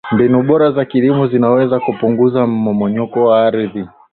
Mbinu bora za kilimo zinaweza kupunguza mmomonyoko wa ardhi